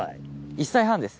１歳半です。